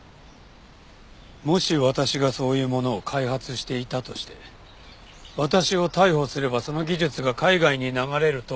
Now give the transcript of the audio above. もし私がそういうものを開発していたとして私を逮捕すればその技術が海外に流れるとは考えないのか？